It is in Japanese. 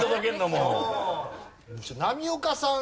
波岡さん